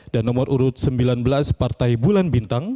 dan nomor urut sembilan belas partai bulan bintang